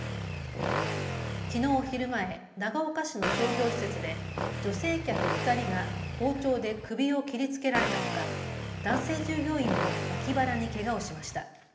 きのう昼前、長岡市の商業施設で女性客２人が包丁で首を切りつけられたほか男性従業員も脇腹にけがをしました。